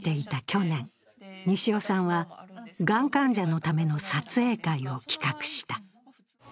去年西尾さんはがん患者のための撮影会を企画した。